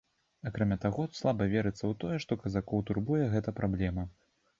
Акрамя таго, слаба верыцца ў тое, што казакоў турбуе гэта праблема.